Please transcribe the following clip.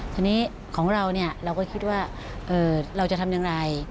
ทีนี้ของเราเนี่ยเราก็คิดว่าเราจะทำอย่างไร